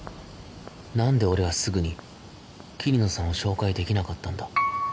なんで俺はすぐに桐野さんを紹介できなかったんだ？